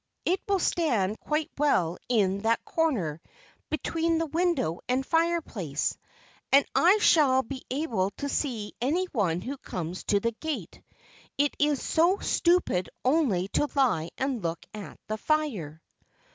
It will stand quite well in that corner between the window and fireplace, and I shall be able to see any one who comes to the gate. It is so stupid only to lie and look at the fire."